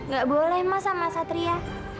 gak boleh mas sama satria